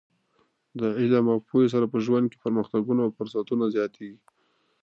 د علم او پوهې سره په ژوند کې د پرمختګ فرصتونه زیاتېږي.